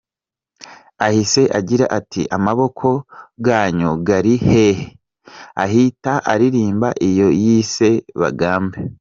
Ahise agira ati "Amaboko ganyu gari he?", ahita aririmba iyo yise ’Bagambe’.